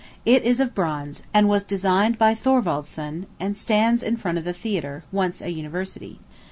It is of bronze, and was designed by Thorwaldsen, and stands in front of the Theatre, once a university.